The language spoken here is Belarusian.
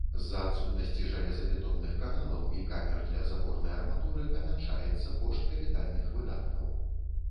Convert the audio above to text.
З-за адсутнасці жалезабетонных каналаў і камер для запорнай арматуры памяншаецца кошт капітальных выдаткаў.